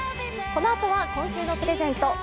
このあとは今週のプレゼント